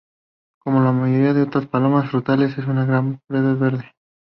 Como la mayoría de otras palomas frutales, es en gran parte verde.